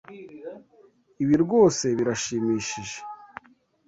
Ibi rwose birashimishije.